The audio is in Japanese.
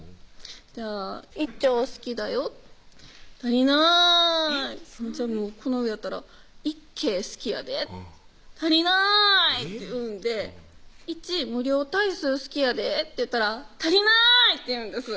「じゃあ１兆好きだよ」「足りない」じゃあこの上やったら「１京好きやで」「足りない」って言うんで「１無量大数好きやで」って言ったら「足りない！」って言うんです